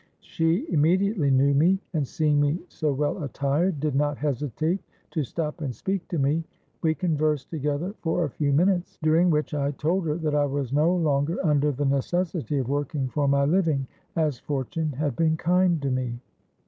She immediately knew me; and, seeing me so well attired, did not hesitate to stop and speak to me. We conversed together for a few minutes, during which I told her that I was no longer under the necessity of working for my living, as fortune had been kind to me.